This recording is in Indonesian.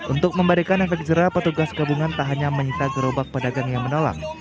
untuk memberikan efek jerah petugas gabungan tak hanya menyita gerobak pedagang yang menolak